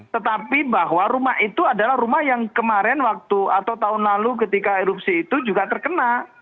tetapi bahwa rumah itu adalah rumah yang kemarin waktu atau tahun lalu ketika erupsi itu juga terkena